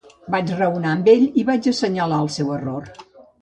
Vaig raonar amb ell i vaig assenyalar el seu error.